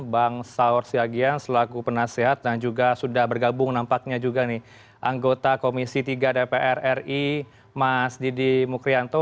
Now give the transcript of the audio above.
bang saur siagian selaku penasehat dan juga sudah bergabung nampaknya juga nih anggota komisi tiga dpr ri mas didi mukrianto